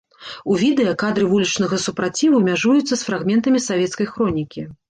У відэа кадры вулічнага супраціву мяжуюцца з фрагментамі савецкай хронікі.